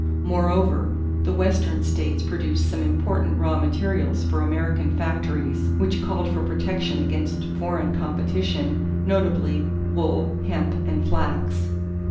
Moreover, the Western states produced some important raw materials for American factories, which called for protection against foreign competition, notably, wool, hemp, and flax.